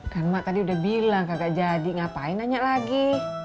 karena mak tadi udah bilang kakak jadi ngapain nanya lagi